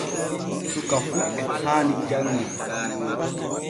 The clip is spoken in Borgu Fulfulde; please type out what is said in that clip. Suka fu e haani janŋa.